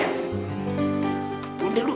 jadi gue berdua